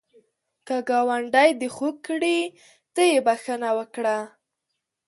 که ګاونډی دی خوږ کړي، ته یې بخښه وکړه